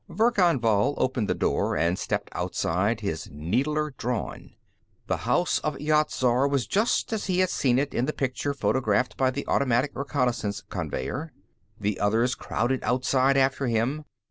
Verkan Vall opened the door and stepped outside, his needler drawn. The House of Yat Zar was just as he had seen it in the picture photographed by the automatic reconnaissance conveyer. The others crowded outside after him.